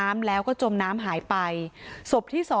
มีคนจมน้ำเสียชีวิต๔ศพแล้วเนี่ย